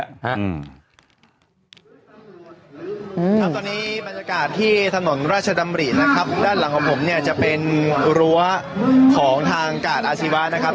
ครับตอนนี้บรรยากาศที่ถนนราชดำรินะครับด้านหลังของผมเนี่ยจะเป็นรั้วของทางกาดอาชีวะนะครับ